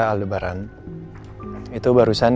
aldebaran itu barusan